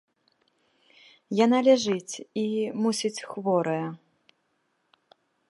Яна ляжыць і, мусіць, хворая.